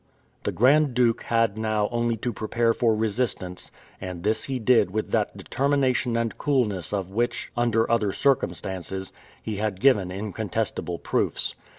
The Grand Duke had now only to prepare for resistance, and this he did with that determination and coolness of which, under other circumstances, he had given incontestable proofs.